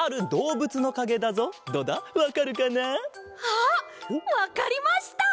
あっわかりました！